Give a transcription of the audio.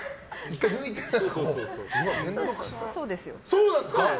そうなんですか！？